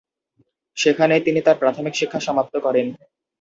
সেখানেই তিনি তার প্রাথমিক শিক্ষা সমাপ্ত করেন।